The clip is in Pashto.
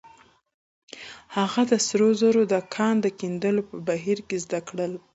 هغه د سرو زرو د کان د کیندلو په بهير کې زده کړل.